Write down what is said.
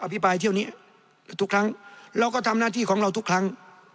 พิปรายเที่ยวนี้ทุกครั้งเราก็ทำหน้าที่ของเราทุกครั้ง